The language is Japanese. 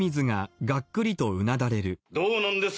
どうなんです？